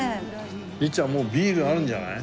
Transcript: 律ちゃんもうビールあるんじゃない？